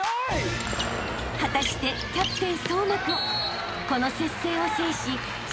［果たしてキャプテン颯真君この接戦を制し］